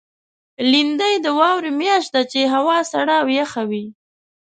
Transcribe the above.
لېندۍ د واورې میاشت ده، چې هوا سړه او یخه وي.